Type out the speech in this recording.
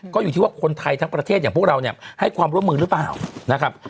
ก็อยู่ที่ว่าคนไทยทั้งประเทศอย่างพวกเราเนี่ยให้ความร่วมมือหรือเปล่านะครับ